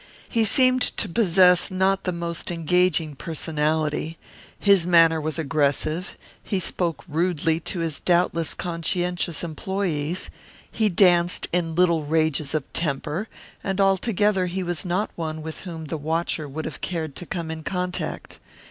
He seemed to possess not the most engaging personality; his manner was aggressive, he spoke rudely to his doubtless conscientious employees, he danced in little rages of temper, and altogether he was not one with whom the watcher would have cared to come in contact.